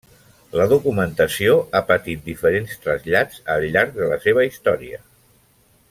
La documentació ha patit diferents trasllats al llarg de la seva història.